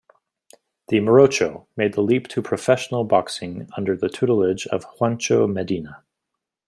The "Morocho" made the leap to professional boxing under the tutelage of Juancho Medina.